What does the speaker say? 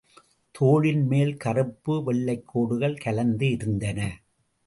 தோலின் மேல் கறுப்பு வெள்ளைக் கோடுகள் கலந்து இருந்தன.